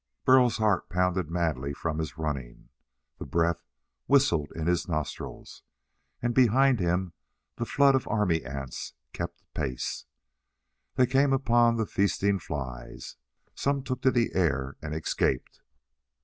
Burl's heart pounded madly from his running. The breath whistled in his nostrils and behind him the flood of army ants kept pace. They came upon the feasting flies. Some took to the air and escaped.